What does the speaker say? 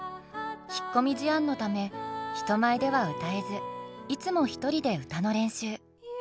引っ込み思案のため人前では歌えずいつも一人で歌の練習。